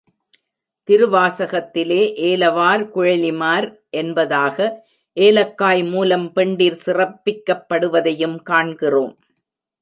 திருவாசகத்திலே, ஏலவார்குழலிமார் என்பதாக ஏலக்காய் மூலம் பெண்டிர் சிறப்பிக்கப்படுவதையும் காண்கிறோம்.